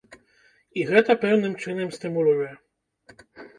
І гэта пэўным чынам стымулюе.